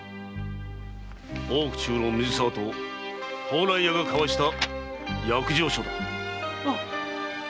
大奥中臈・水澤と蓬莱屋が交わした約定書だ。